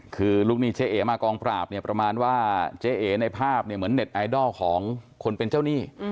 คือลูกหนี้เจ๊เอ๋มากองปราบเนี่ยประมาณว่าเจ๊เอ๋ในภาพเนี่ยเหมือนเน็ตไอดอลของคนเป็นเจ้าหนี้